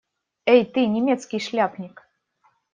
Эй ты, немецкий шляпник!